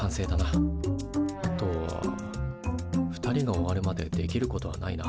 あとは２人が終わるまでできることはないな。